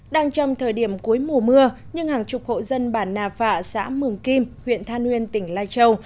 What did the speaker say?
đang trong thời điểm cuối mùa mưa nhưng hàng chục hộ dân bản nà phạ xã mường kim huyện than uyên tỉnh lai châu